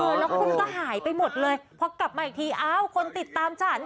แล้วคุณก็หายไปหมดเลยพอกลับมาอีกทีอ้าวคนติดตามฉัน